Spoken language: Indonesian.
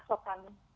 ke pasok kami